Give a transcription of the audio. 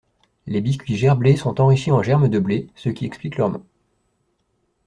Les biscuits Gerblé sont enrichis en germe de blé, ce qui explique leur nom.